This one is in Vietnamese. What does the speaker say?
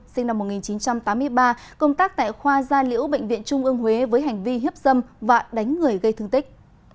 sinh năm một nghìn chín trăm tám mươi ba công tác tại khoa gia liễu bệnh viện trung ương huế với hành vi hiếp dâm và đánh người gây thương tích